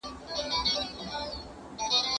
دا تمرین تر هغه بل تمرین ډېر سخت دی.